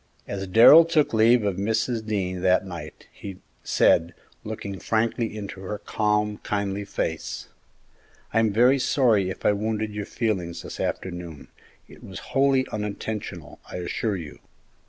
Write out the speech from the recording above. As Darrell took leave of Mrs. Dean that night, he said, looking frankly into her calm, kindly face, "I am very sorry if I wounded your feelings this afternoon; it was wholly unintentional, I assure you."